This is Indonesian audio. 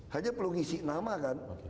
hanya perlu ngisi nama kan